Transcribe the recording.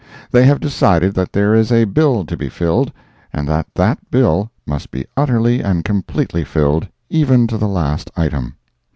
They have decided that there is a bill to be filled, and that that bill must be utterly and completely filled, even to the last item.